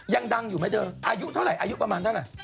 ยังดังอยู่ไหมเธออายุเท่าไหร่อายุประมาณเท่าไหร่